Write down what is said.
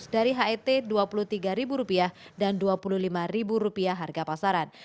dari het rp dua puluh tiga dan rp dua puluh lima harga pasaran